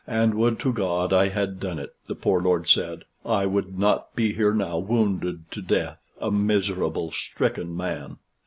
"And would to God I had done it," the poor lord said. "I would not be here now, wounded to death, a miserable, stricken man!"